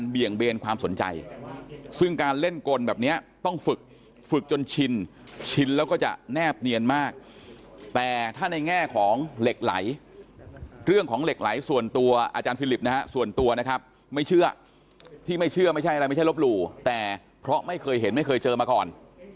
เบนความสนใจซึ่งการเล่นกลแบบนี้ต้องฝึกฝึกจนชินชินแล้วก็จะแนบเนียนมากแต่ถ้าในแง่ของเหล็กไหลเรื่องของเหล็กไหลส่วนตัวอาจารย์ฟิลิปนะฮะส่วนตัวนะครับไม่เชื่อที่ไม่เชื่อไม่ใช่อะไรไม่ใช่ลบหลู่แต่เพราะไม่เคยเห็นไม่เคยเจอมาก่อน